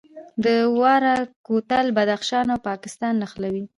د دوراه کوتل بدخشان او پاکستان نښلوي